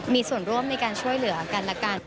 มีส่วนร่วมในการช่วยเหลือกันและกัน